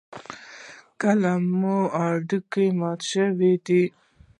ایا کله مو هډوکی مات شوی دی؟